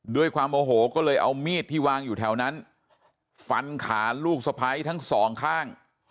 ด้วยความโอโหก็เลยเอามีดที่วางอยู่แถวนั้นฟันขาลูกสะพ้ายทั้งสองข้าง